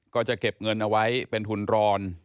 ก็จะเก็บเงินเอาไว้เป็นทุนรอน